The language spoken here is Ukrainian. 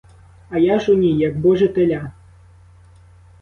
А я ж у ній — як боже теля!